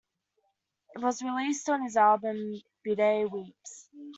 It was released on his album "Bede Weeps".